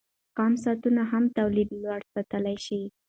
کم ساعتونه هم تولیدیت لوړ ساتلی شي.